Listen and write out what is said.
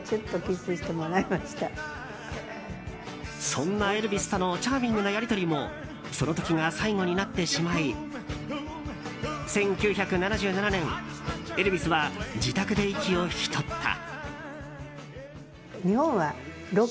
そんなエルヴィスとのチャーミングなやり取りもその時が最後になってしまい１９７７年、エルヴィスは自宅で息を引き取った。